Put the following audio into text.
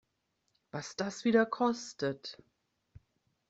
Was das wieder kostet!